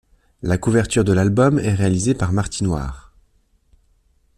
La couverture de l'album est réalisée par Martín Hoare.